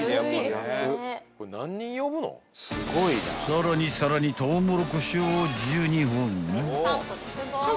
［さらにさらにトウモロコシを１２本］